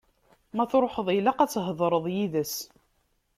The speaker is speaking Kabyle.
Ma truḥeḍ, ilaq ad thedreḍ yid-s.